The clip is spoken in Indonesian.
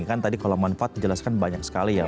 kan tadi kalau manfaat dijelaskan banyak sekali ya